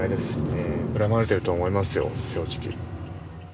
恨まれてると思いますよ正直。